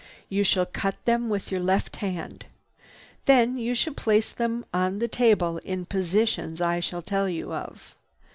You shall cut them with your left hand. Then you shall place them on the table in positions I shall tell you of."